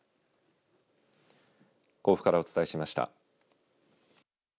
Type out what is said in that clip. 甲府からお伝えしました。